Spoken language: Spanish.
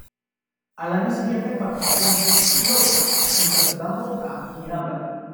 Al año siguiente participó en "Lobo" interpretando a Miranda.